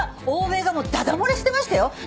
欧米がもうだだ漏れしてましたよ。